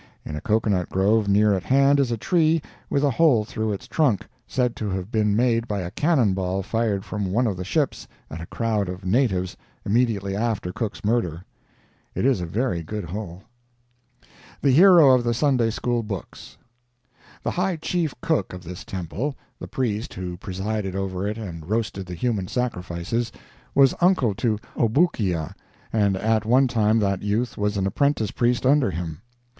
In a cocoa nut grove near at hand is a tree with a hole through its trunk, said to have been made by a cannon ball fired from one of the ships at a crowd of natives immediately after Cook's murder. It is a very good hole. THE HERO OF THE SUNDAY SCHOOL BOOKS The high chief cook of this temple—the priest who presided over it and roasted the human sacrifices—was uncle to Obookia, and at one time that youth was an apprentice priest under him.